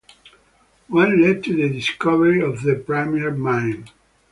One led to the discovery of the Premier Mine.